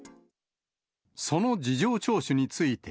その事情聴取について。